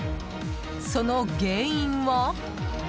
その原因は？